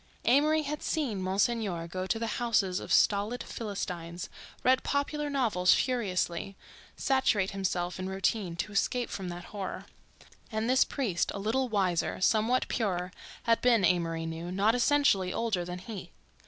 Amory had seen Monsignor go to the houses of stolid philistines, read popular novels furiously, saturate himself in routine, to escape from that horror. And this priest, a little wiser, somewhat purer, had been, Amory knew, not essentially older than he.